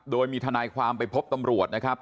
โดยมีทนายความไปพบตำรวจนะครับ